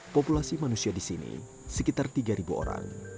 populasi manusia di sini sekitar tiga orang